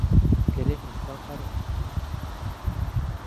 Queremos pan para o futuro.